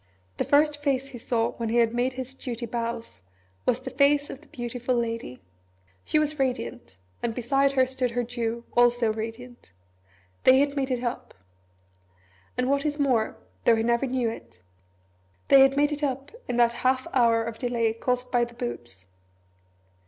The first face he saw when he had made his duty bows was the face of the Beautiful Lady. She was radiant: and beside her stood her Jew, also radiant. They had made it up. And what is more though he never knew it they had made it up in that half hour of delay caused by the Boots.